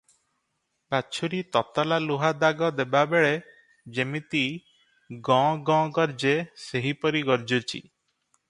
ବାଛୁରୀ ତତଲା ଲୁହା ଦାଗ ଦେବାବେଳେ ଯିମିତି ଗଁ, ଗଁ ଗର୍ଜେ, ସେହିପରି ଗର୍ଜୁଛି ।